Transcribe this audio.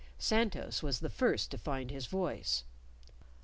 Santos was the first to find his voice.